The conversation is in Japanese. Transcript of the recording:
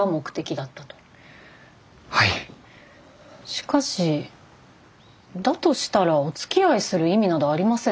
しかしだとしたらおつきあいする意味などありません。